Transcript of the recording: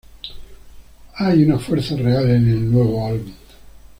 Hay una fuerza real en el nuevo álbum"".